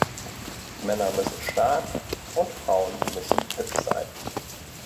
Männer müssen stark und Frauen müssen hübsch sein.